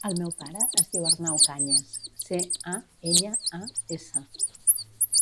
El meu pare es diu Arnau Cañas: ce, a, enya, a, essa.